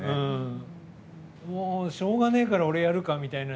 もうしょうがねえから俺がやるかみたいな。